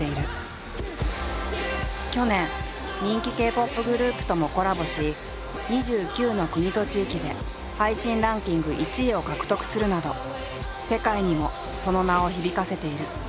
ＰＯＰグループともコラボし２９の国と地域で配信ランキング１位を獲得するなど世界にもその名を響かせている。